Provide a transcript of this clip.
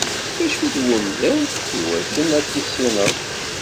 D acu-t umdan iwakken ad t-tissineḍ?